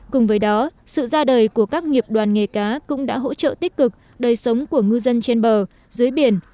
cùng với đó sự ra đời của các nghiệp đoàn nghề cá cũng đã hỗ trợ tích cực đời sống của ngư dân trên bờ dưới biển